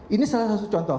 ini salah satu contoh